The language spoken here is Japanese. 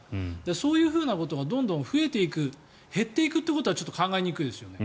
そういうふうなことがどんどん増えていく減っていくということはちょっと考えにくいですよね。